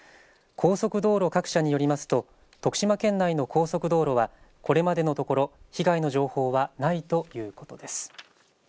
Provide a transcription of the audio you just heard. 高速道路各社によりますと徳島県内の高速道路はこれまでのところ被害の情報はないということです。